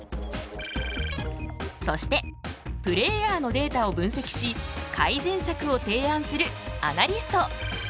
そしてプレーヤーのデータを分析し改善策を提案するアナリスト。